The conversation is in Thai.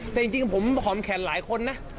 แต่จริงผมหอมแขนหลายคนนะ